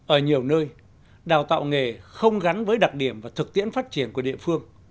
ở nhiều nơi đào tạo nghề không gắn với đặc điểm và thực tiễn phát triển của địa phương